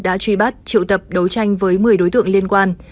đã truy bắt triệu tập đấu tranh với một mươi đối tượng liên quan